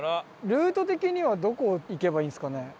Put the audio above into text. ルート的にはどこを行けばいいんですかね？